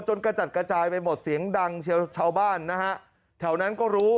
กระจัดกระจายไปหมดเสียงดังเชียวชาวบ้านนะฮะแถวนั้นก็รู้